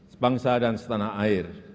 sebangsa dan setanah air